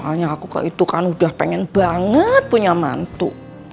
soalnya aku itu kan udah pengen banget punya mantu